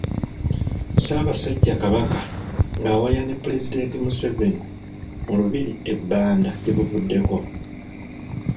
Ssaabasajja Kabaka ng'awaya ne pulezidenti Museveni mu lubiri e Banda gye buvuddeko.